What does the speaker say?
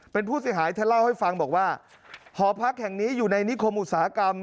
เป็นผู้เสียหายเธอเล่าให้ฟังบอกว่าหอพักแห่งนี้อยู่ในนิคมอุตสาหกรรม